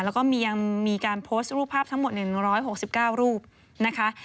แล้วก็ยังมีการโพสต์รูปภาพทั้งหมด๑๖๙รูปนะคะ